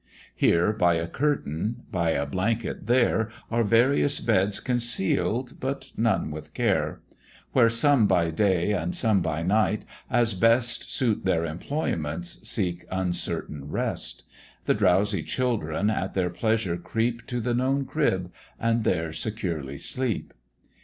Here by a curtain, by a blanket there, Are various beds conceal'd, but none with care; Where some by day and some by night, as best Suit their employments, seek uncertain rest; The drowsy children at their pleasure creep To the known crib, and there securely sleep.